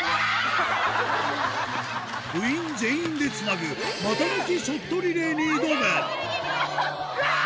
部員全員でつなぐ股抜きショットリレーに挑むあぁ！